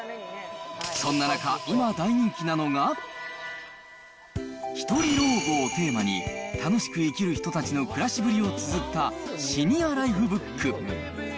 そんな中、今、大人気なのが、ひとり老後をテーマに、楽しく生きる人たちの暮らしぶりをつづったシニアライフブック。